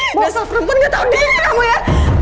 nasa perempuan nggak tahu diinik kamu ya